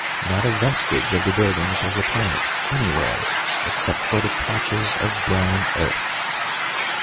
Not a vestige of the buildings was apparent anywhere, except for the patches of brown earth.